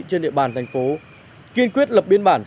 trên địa bàn thành phố kiên quyết lập biên bản